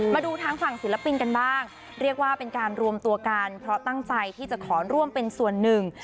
มาดูทางฝั่งศิลปินกันบ้างเรียกว่าเป็นการรวมตัวกันเพราะตั้งใจที่จะขอร่วมเป็นส่วนหนึ่ง